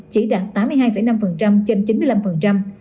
chỉ đạt tám mươi hai năm trên chín mươi năm